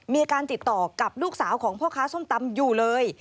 มีการติดต่อกับลูกสาวของพ่อค้าส้มตำอยู่เลย